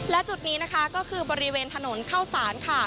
และจุดนี้นะคะก็คือบริเวณถนนเข้าสารค่ะ